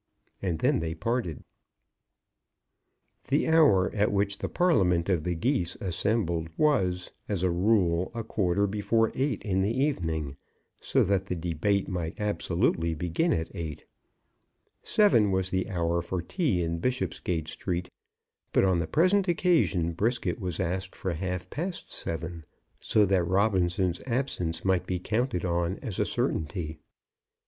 And then they parted. The hour at which the parliament of the Geese assembled was, as a rule, a quarter before eight in the evening, so that the debate might absolutely begin at eight. Seven was the hour for tea in Bishopsgate Street, but on the present occasion Brisket was asked for half past seven, so that Robinson's absence might be counted on as a certainty.